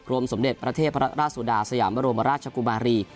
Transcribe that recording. สมเด็จประเทศพระราชสุดาสยามบรมราชกุมารี